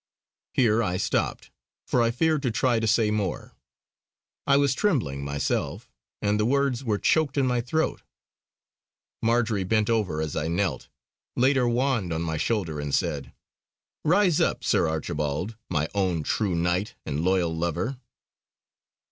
Here I stopped, for I feared to try to say more; I was trembling myself and the words were choked in my throat. Marjory bent over as I knelt, laid her wand on my shoulder and said: "Rise up, Sir Archibald, my own True Knight and Loyal Lover!"